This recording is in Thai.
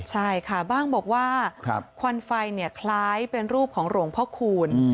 ใช่ค่ะบ้างบอกว่าควันไฟคล้ายเป็นรูปของหลวงพ่อคูณ